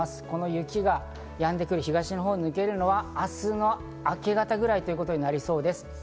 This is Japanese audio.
この雪がやんでくる東のほうに抜けるのは明日の明け方ぐらいとなりそうです。